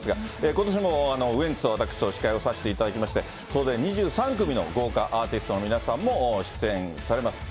ことしもウエンツと私とで司会をさせていただきまして、総勢２３組の豪華アーティストの皆さんも出演されます。